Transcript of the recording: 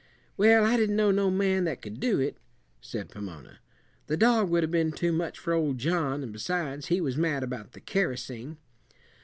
"Well, I didn't know no man that could do it," said Pomona. "The dog would 'a' been too much for old John, and besides, he was mad about the kerosene.